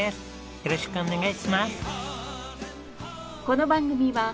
よろしくお願いします！